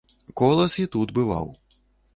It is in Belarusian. Колас і тут бываў!